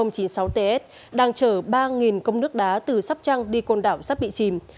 tàu kg chín nghìn ba trăm linh chín đang chở ba công nước đá từ sắp trăng đi côn đảo sắp bị chìm